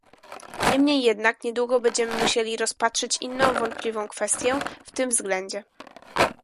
Niemniej jednak niedługo będziemy musieli rozpatrzyć inną wątpliwą kwestię w tym względzie